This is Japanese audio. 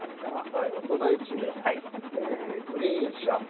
大人１名グリーン車。